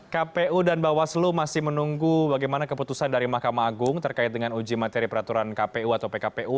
kpu dan bawaslu masih menunggu bagaimana keputusan dari mahkamah agung terkait dengan uji materi peraturan kpu atau pkpu